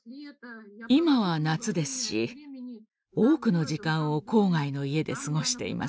今は夏ですし多くの時間を郊外の家で過ごしています。